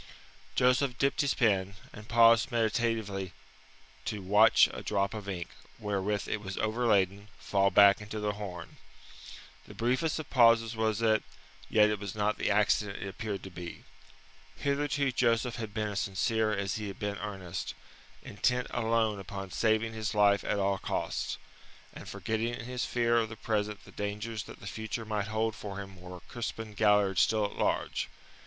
Joseph dipped his pen, and paused meditatively to watch a drop of ink, wherewith it was overladen, fall back into the horn. The briefest of pauses was it, yet it was not the accident it appeared to be. Hitherto Joseph had been as sincere as he had been earnest, intent alone upon saving his life at all costs, and forgetting in his fear of the present the dangers that the future might hold for him were Crispin Galliard still at large.